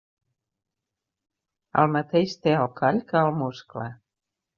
El mateix té al coll que al muscle.